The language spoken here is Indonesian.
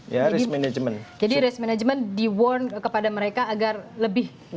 jadi risk management diwarn kepada mereka agar lebih